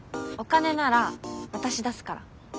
お金なら私出すから。